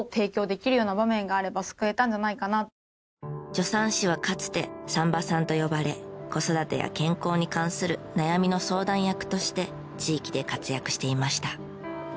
助産師はかつて「産婆さん」と呼ばれ子育てや健康に関する悩みの相談役として地域で活躍していました。